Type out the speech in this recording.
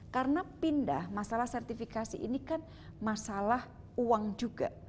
karena pindah masalah sertifikasi ini kan masalah uang juga